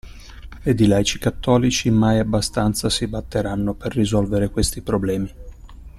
Ed i laici cattolici mai abbastanza si batteranno per risolvere questi problemi.